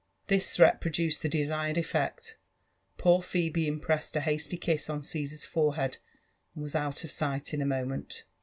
This threat produced the desired eflect; — poor Phebe impressed a hasty kiss on Caesar's forehead, and was out of sight in a moment.